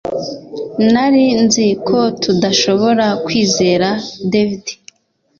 Nari nzi ko tudashobora kwizera David